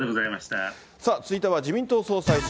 さあ、続いては自民党総裁選。